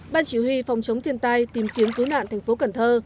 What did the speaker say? ban chỉ huy phòng chống thiên tai tìm kiếm cứu nạn thành phố cần thơ